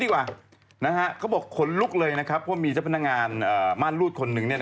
กลัวว่าผมจะต้องไปพูดให้ปากคำกับตำรวจยังไง